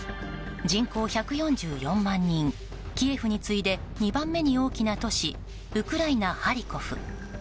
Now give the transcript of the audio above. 人口１４４万人、キエフに次いで２番目に大きな都市ウクライナ・ハリコフ。